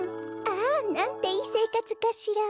ああなんていいせいかつかしら！